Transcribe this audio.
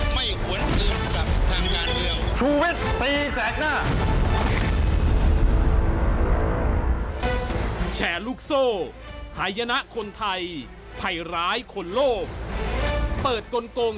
ไม่หวนอื่นกับทางงานเรื่อง